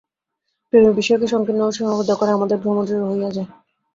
প্রেমের বিষয়কে সঙ্কীর্ণ ও সীমাবদ্ধ করায় আমাদের ভ্রম দৃঢ় হইয়া যায়।